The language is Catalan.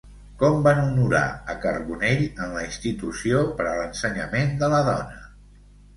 Com van honorar a Carbonell en la Institució per a l'Ensenyament de la Dona?